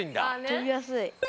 飛びやすい。